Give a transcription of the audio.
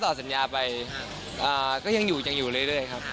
ต่อสัญญาไปก็ยังอยู่ยังอยู่เรื่อยครับ